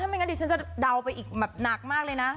ไม่งั้นดิฉันจะเดาไปอีกแบบหนักมากเลยนะ